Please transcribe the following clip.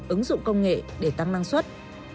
ứng dụng công nghệ để tăng năng suất